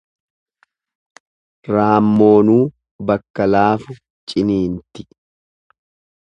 Raammoonuu bakka laafu ciniinti.